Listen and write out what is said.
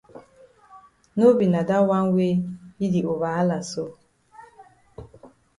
No be na dat wan wey yi di over hala so.